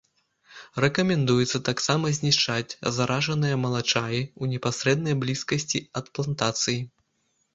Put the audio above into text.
Рэкамендуецца таксама знішчаць заражаныя малачаі ў непасрэднай блізкасці ад плантацыі.